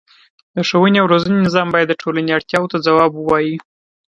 د ښوونې او روزنې نظام باید د ټولنې اړتیاوو ته ځواب ووايي.